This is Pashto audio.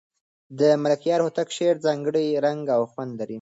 د ملکیار هوتک شعر ځانګړی رنګ او خوند لري.